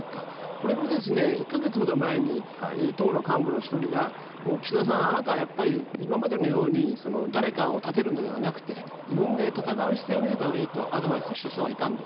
これも１カ月ほど前に党の幹部の１人が岸田さんあなたは今までのように誰かを立てるのではなくて自分で戦う姿勢を見せた方がいいとアドバイスした人がいました。